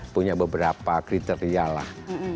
punya beberapa kriteria lah